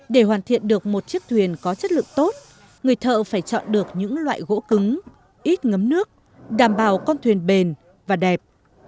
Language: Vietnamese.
để hoàn thiện được một chiếc thuyền có chất lượng tốt người thợ phải chọn được những loại gỗ cứng ít ngấm nước đảm bảo con thuyền bền và đẹp